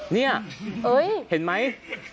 นี่เห็นไหม